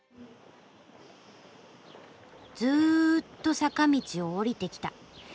ずっと坂道を下りてきた。